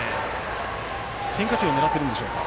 変化球を狙ってるんでしょうか。